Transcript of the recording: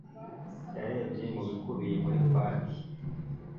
yarebye mu bikubiye muri paki.